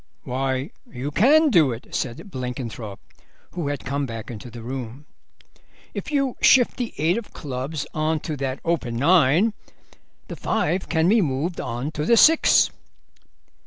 "Why, you can do it," said Blenkinthrope, who had come back to the room; "if you shift the eight of clubs on to that open nine the five can be moved on to the six."